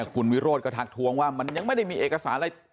คุณวิโรธก็ทักทวงว่ามันยังไม่ได้มีเอกสารอะไร